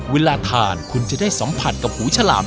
เวลาทานคุณจะได้สัมผัสกับหูฉลาม